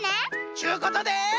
ちゅうことで。